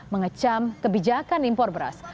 mengecam kebijakan impor beras